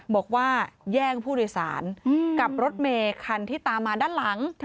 บอกว่าแย่งผู้โดยสารกับรถเมคันที่ตามมาด้านหลัง